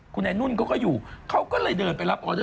คุณไอ้นุ่นเขาก็อยู่เขาก็เลยเดินไปรับออเดอร์